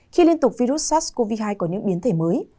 khi liên tục virus sars cov hai có những biến thể mới